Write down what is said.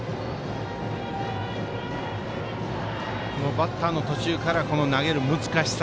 バッターの途中から投げる難しさ。